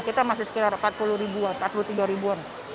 kita masih sekitar empat puluh ribuan empat puluh tiga ribuan